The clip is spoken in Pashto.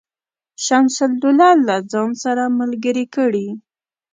شمس الدوله له ځان سره ملګري کړي.